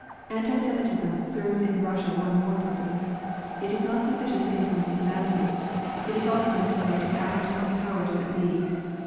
Anti Semitism serves in Russia one more purpose. It is not sufficient to influence the masses. It is also necessary to act on the powers that be.